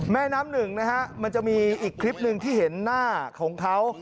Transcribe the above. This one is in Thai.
แม่น้ำหนึ่งนะฮะมันจะมีอีกคลิปหนึ่งที่เห็นหน้าของเขา